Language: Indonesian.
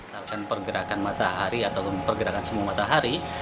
misalkan pergerakan matahari atau pergerakan semu matahari